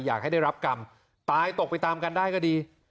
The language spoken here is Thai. อยากให้ได้รับกรรมตายตกไปตามกันได้ก็ดี